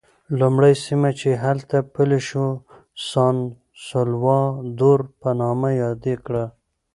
لومړی سیمه چې هلته پلی شو سان سولوا دور په نامه یاد کړه.